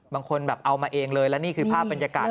บางคนแบบเอามาเองเลยและนี่คือภาพบรรยากาศ